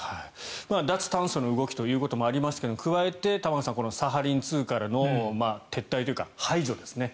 脱炭素の動きということもありますが加えて玉川さんサハリン２からの撤退というか排除ですね。